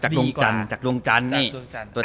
จากดวงจันทร์จากดวงจันทร์นี่จากดวงจันทร์